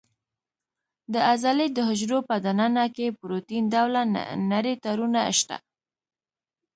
د عضلې د حجرو په دننه کې پروتین ډوله نري تارونه شته.